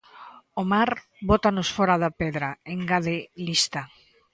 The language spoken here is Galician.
O mar bótanos fóra da pedra, engade Lista.